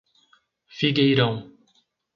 Figueirão